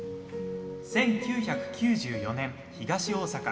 １９９４年、東大阪。